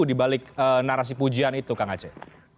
dari narasi pujian itu kang aceh